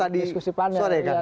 diskusi panel oh tadi sore kan ya